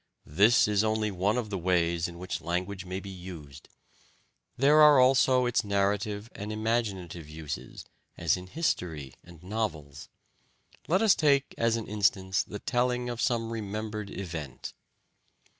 This is only one of the ways in which language may be used. There are also its narrative and imaginative uses, as in history and novels. Let us take as an instance the telling of some remembered event.